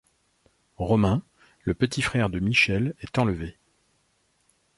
Romain, le petit frère de Michel, est enlevé.